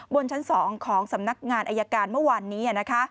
บนชั้น๒ของสำนักงานอายการเมื่อวานนี้